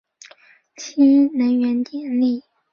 新能源电力系统国家重点实验室简介